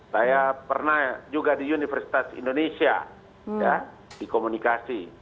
saya pernah juga di universitas indonesia di komunikasi